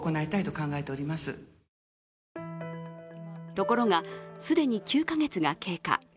ところが既に９か月が経過。